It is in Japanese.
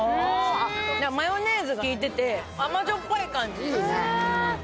マヨネーズが効いてて甘塩っぱい感じ。